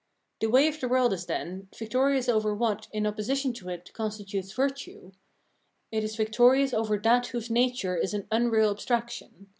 The way of the world is, then, victorious over what, in opposition to it, constitutes virtue ; it is victorious over that whose nature is an unreal abstraction.